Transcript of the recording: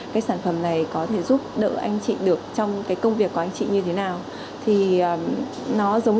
cái sản phẩm này có thể giúp đỡ anh chị được trong cái công việc của anh chị như thế nào thì nó giống